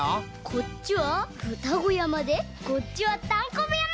こっちはふたごやまでこっちはたんこぶやま！